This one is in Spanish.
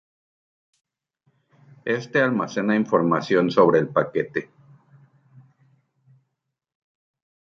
Éste almacena información sobre el paquete.